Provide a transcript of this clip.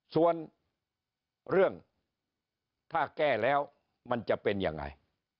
ส่วนเรื่องถ้าแก้แล้วมันจะเป็นยังไง